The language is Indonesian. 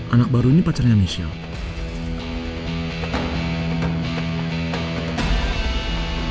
anak baru ini pacarnya michelle